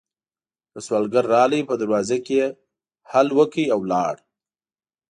يو سوالګر راغی، په دروازه کې يې هل وکړ او ولاړ.